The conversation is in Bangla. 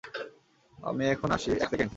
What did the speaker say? আমি এখনি আসছি, এক সেকেন্ড?